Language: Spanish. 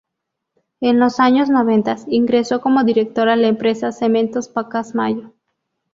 En los años noventas, ingresó como director a la empresa Cementos Pacasmayo.